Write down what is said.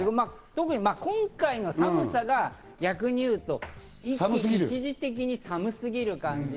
特に今回の寒さが逆に言うと一時的に寒すぎる感じ。